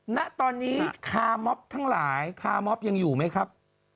ณตอนนี้คาร์มอบทั้งหลายคามอบยังอยู่ไหมครับ